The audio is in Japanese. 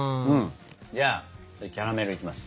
じゃあキャラメルいきます。